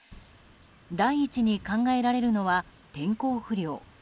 第一に考えられるのは天候不良。